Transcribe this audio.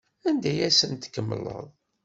Anda ay asen-tkemmleḍ?